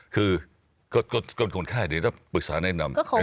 คือคนไข้เดี๋ยวต้องปรึกษาแนะนำ